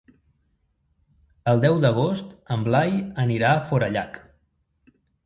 El deu d'agost en Blai anirà a Forallac.